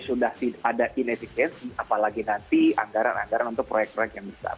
sudah ada inefisiensi apalagi nanti anggaran anggaran untuk proyek proyek yang besar